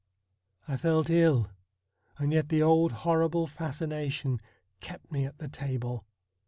I felt ill, and yet the old horrible fascination kept me at the table.